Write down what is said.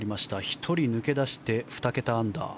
１人抜け出して２桁アンダー。